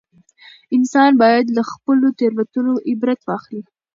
انسان باید له خپلو تېروتنو عبرت واخلي